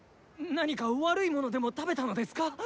何か悪いものでも食べたのですか